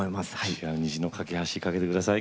違う虹の懸け橋かけて下さい。